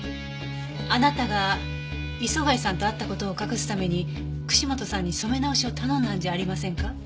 あなたが磯貝さんと会った事を隠すために串本さんに染め直しを頼んだんじゃありませんか？